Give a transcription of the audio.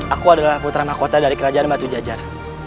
aku adalah putra maha kuota dari kerajaan batu jajar